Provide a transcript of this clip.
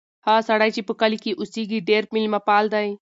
هغه سړی چې په کلي کې اوسیږي ډېر مېلمه پال دی.